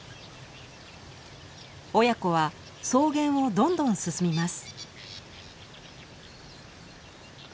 親子は草原をどんどん進みます。